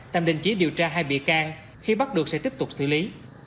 tạm đình chỉ điều tra hai bị can khi bắt được sẽ tiếp tục xử lý